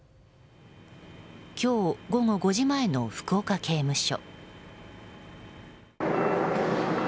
今日午後５時前の福岡刑務所。